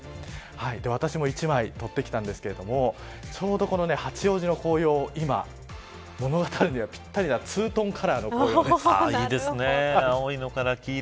私も一枚撮ってきましたがちょうど、この八王子の紅葉は物語にぴったりなツートンカラーのいいですね。